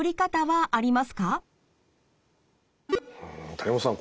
谷本さん